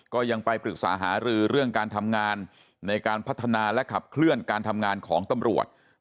ก็ยังไปปรึกษาหารือเรื่องการทำงานในการพัฒนาและขับเคลื่อนการทำงานของตำรวจ